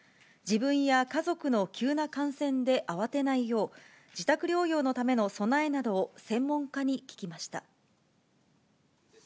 自分や家族の急な感染で慌てないよう、自宅療養のための備えなどを専門家に聞きました。